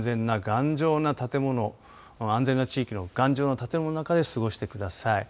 安全な頑丈な建物安全な地域の頑丈な建物の中で過ごしてください。